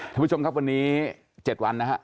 ท่านผู้ชมครับวันนี้๗วันนะฮะ